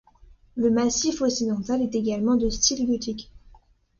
Le massif occidental est également de style gothique.